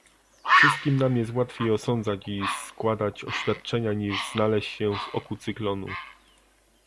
Wszystkim nam jest łatwiej osądzać i składać oświadczenia niż znaleźć się w oku cyklonu